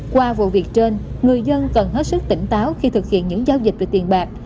qua vụ việc trên người dân cần hết sức tỉnh táo khi thực hiện những giao dịch về tiền bạc